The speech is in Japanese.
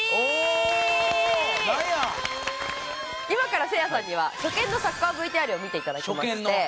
今からせいやさんには初見のサッカーＶＴＲを見て頂きまして。